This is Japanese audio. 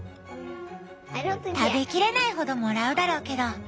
食べきれないほどもらうだろうけど。